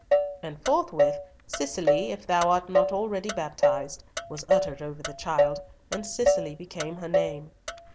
And forthwith, "Cicely, if thou art not already baptized," was uttered over the child, and Cicely became her name.